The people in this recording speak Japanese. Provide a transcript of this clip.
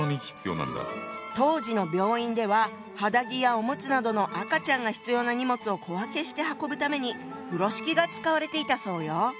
当時の病院では肌着やおむつなどの赤ちゃんが必要な荷物を小分けして運ぶために風呂敷が使われていたそうよ。